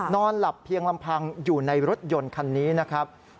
นอนหลับเพียงลำพังอยู่ในรถยนต์คันนี้นะครับ